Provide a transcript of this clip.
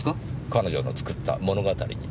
彼女の作った物語にです。